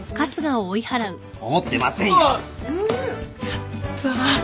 やった。